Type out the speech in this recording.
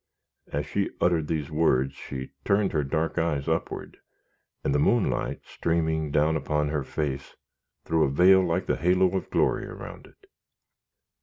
As she uttered these words, she turned her dark eyes upward, and the moonlight streaming down upon her face, threw a vail like the halo of glory around it.